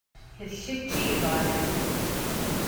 D kečč i yebɣan akken.